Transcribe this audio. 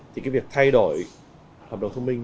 thì việc thay đổi hợp đồng thông minh